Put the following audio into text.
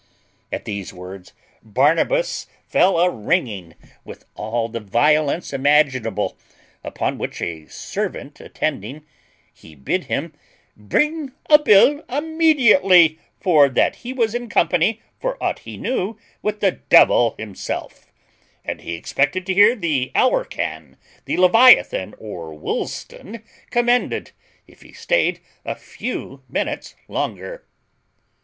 At these words Barnabas fell a ringing with all the violence imaginable; upon which a servant attending, he bid him "bring a bill immediately; for that he was in company, for aught he knew, with the devil himself; and he expected to hear the Alcoran, the Leviathan, or Woolston commended, if he staid a few minutes longer."